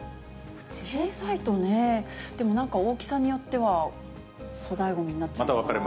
小さいとね、でもなんか大きさによっては、粗大ごみになっちゃうかな。